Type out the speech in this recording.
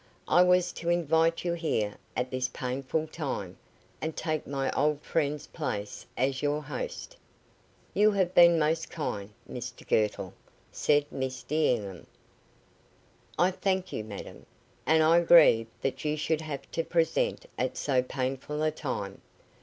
I was to invite you here at this painful time, and take my old friend's place as your host." "You have been most kind, Mr Girtle," said Miss D'Enghien. "I thank you, madam, and I grieve that you should have to be present at so painful a time.